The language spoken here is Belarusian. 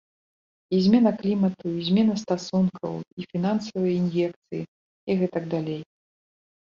І змена клімату, і змена стасункаў, і фінансавыя ін'екцыі, і гэтак далей.